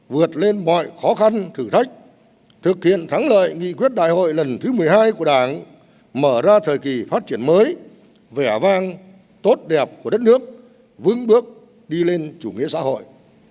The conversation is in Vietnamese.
vượt lên mọi khó khăn thử thách thực hiện thắng lợi nghị quyết đại hội lần thứ một mươi hai của đảng mở ra thời kỳ phát triển mới vẻ vang tốt đẹp của đất nước vững bước đi lên chủ nghĩa xã hội